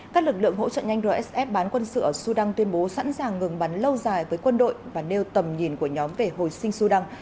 các lực lượng hỗ trợ nhanh rsf bán quân sự ở sudan tuyên bố sẵn sàng ngừng bắn lâu dài với quân đội và nêu tầm nhìn của nhóm về hồi sinh sudan